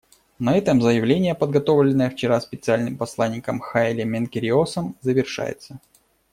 На этом заявление, подготовленное вчера Специальным посланником Хайле Менкериосом, завершается.